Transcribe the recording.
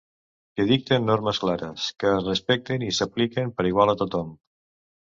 Que dicten normes clares, que es respecten i s’apliquen per igual a tothom.